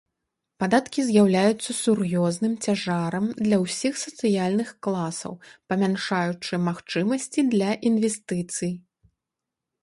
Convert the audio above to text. Падаткі з'яўляюцца сур'ёзным цяжарам для ўсіх сацыяльных класаў, памяншаючы магчымасці для інвестыцый.